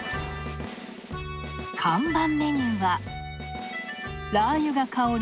看板メニューはラー油が香る